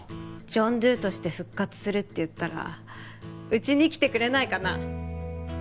ジョン・ドゥとして復活するって言ったらうちに来てくれないかな？